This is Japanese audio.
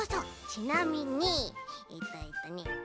ちなみにえっとえっとね